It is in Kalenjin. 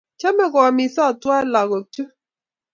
chomei koamisot tuwai lagoik chu